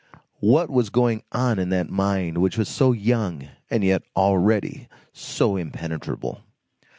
What was going on in that mind which was so young and yet already so impenetrable?